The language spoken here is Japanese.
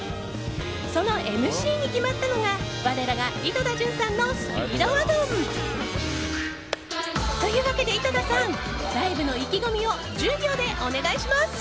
そのＭＣに決まったのが我らが井戸田潤さんのスピードワゴン。というわけで、井戸田さんライブの意気込みを１０秒でお願いします！